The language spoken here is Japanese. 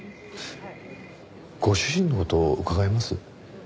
ご主人の事伺えます？